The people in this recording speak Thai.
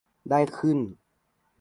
ได้ขึ้น